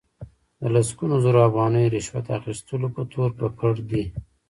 د لسګونو زرو افغانیو رشوت اخستلو په تور ککړ دي.